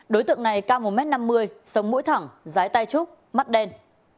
đối tượng này cao một m năm mươi sống mũi thẳng rái tai trúc mắt đen